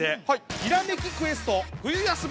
ひらめきクエスト冬休み